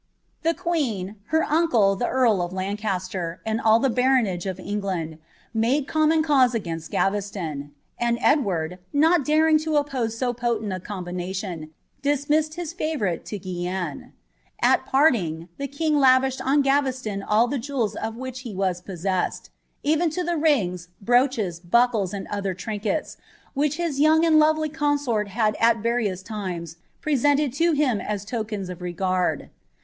The queen, her uncle the earl of Lancaster, and all the huotmei England, made common cause against Gaveston ; and Edward, not ufi lo oppose so potent a combination, dismissed his lavooirile to Gwmi At parting, the king lavished on Gaveslon all the jewels of whidi was possessed, even to the rings, brooches, buckles, and other tiiali which his young and lovely consort bad at various limea presenMd him as tokens of regard.